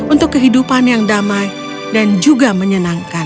untuk kehidupan yang damai dan juga menyenangkan